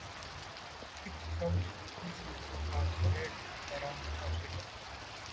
Six subspecies are spread around Australia.